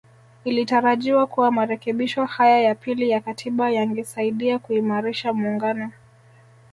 Ilitarajiwa kuwa marekebisho haya ya pili ya Katiba yangesaidia kuimarisha muungano